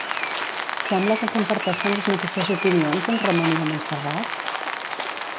Sembla que comparteixen les mateixes opinions en Ramon i la Montserrat?